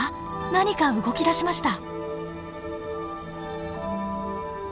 何か動き出しました。